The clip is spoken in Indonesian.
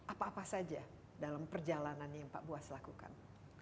apa apa saja dalam perjalanannya yang pak buas lakukan